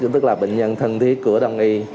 tức là bệnh nhân thân thiết của đồng y